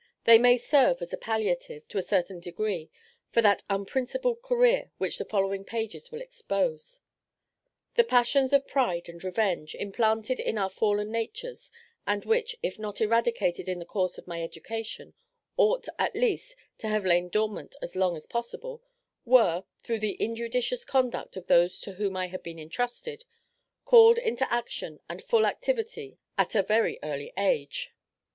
They may serve as a palliative, to a certain degree, for that unprincipled career which the following pages will expose. The passions of pride and revenge, implanted in our fallen natures, and which, if not eradicated in the course of my education, ought, at least, to have lain dormant as long as possible, were, through the injudicious conduct of those to whom I had been entrusted, called into action and full activity at a very early age.